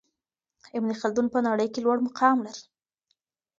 ابن خلدون په نړۍ کي لوړ مقام لري.